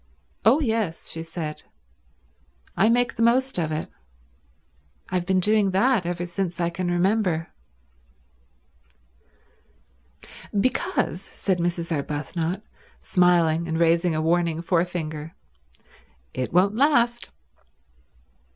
"Oh yes," she said. "I make the most of it. I've been doing that ever since I can remember." "Because," said Mrs. Arbuthnot, smiling and raising a warning forefinger, "it won't last."